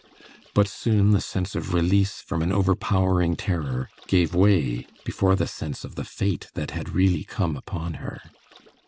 But soon the sense of release from an overpowering terror gave way before the sense of the fate that had really come upon her.